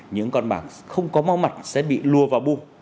những con bạc không có mau mặt sẽ bị lua vào bu